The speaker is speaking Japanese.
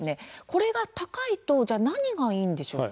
これが高いと何がいいんでしょうか？